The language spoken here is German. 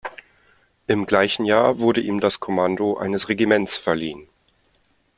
Im gleichen Jahr wurde ihm das Kommando eines Regiments verliehen.